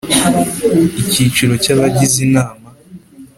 Icyiciro cy’Abagize Inama.